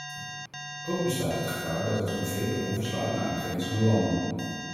Ook bestaat het gevaar dat het conflict overslaat naar aangrenzende landen.